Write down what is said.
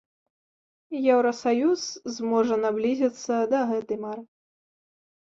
Еўрасаюз зможа наблізіцца да гэтай мары.